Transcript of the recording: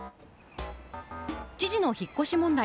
知事の引っ越し問題。